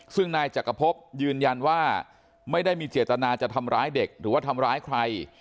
ซึ่งนายจักรพบยืนยันว่าไม่ได้มีเจตนาจะทำร้ายเด็กหรือว่าทำร้ายใคร